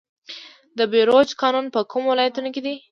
د بیروج کانونه په کومو ولایتونو کې دي؟